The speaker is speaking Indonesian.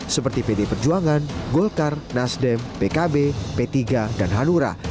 seperti pd perjuangan golkar nasdem pkb p tiga dan hanura